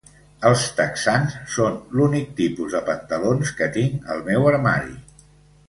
Els texans són l'únic tipus de pantalons que tinc al meu armari.